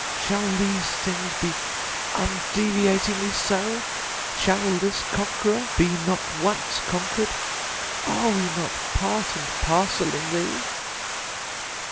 shall these things be undeviatingly so? shall this conqueror be not once conquered? Are we not part and parcel in Thee?